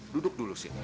duduk dulu sini